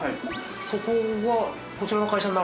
そこはこちらの会社になる？